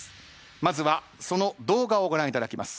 まずはその動画をご覧いただきます。